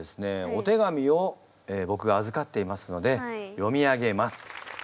お手紙をぼくがあずかっていますので読み上げます。